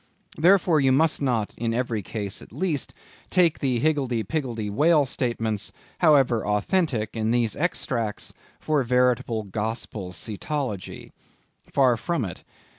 Therefore you must not, in every case at least, take the higgledy piggledy whale statements, however authentic, in these extracts, for veritable gospel cetology. Far from it.